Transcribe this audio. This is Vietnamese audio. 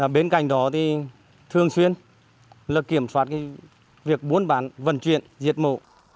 bên cạnh đó thì thường xuyên là kiểm soát việc buôn bán vận chuyển diệt mộ